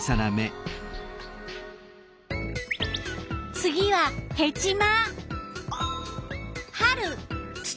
次はヘチマ。